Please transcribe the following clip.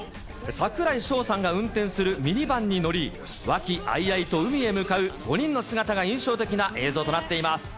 櫻井翔さんが運転するミニバンに乗り、和気あいあいと海へ向かう５人の姿が印象的な映像となっています。